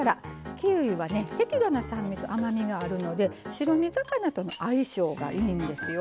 キウイは適度な酸味と甘みがあるので白身魚との相性がいいんですよ。